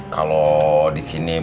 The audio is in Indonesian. kalau di sini masuk